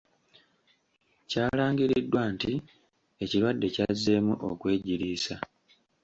Kyalangiriddwa nti ekirwadde kyazzeemu okwegiriisa.